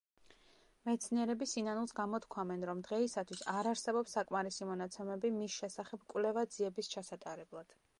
მეცნიერები სინანულს გამოთქვამენ, რომ დღეისათვის არ არსებობს საკმარისი მონაცემები მის შესახებ კვლევა-ძიების ჩასატარებლად.